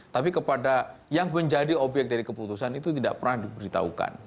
tapi kepada yang menjadi obyek dari keputusan itu tidak pernah diberitahukan